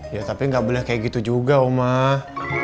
ya tapi nggak boleh kayak gitu juga omah